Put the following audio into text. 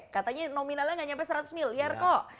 katanya nominalnya nggak sampai seratus miliar kok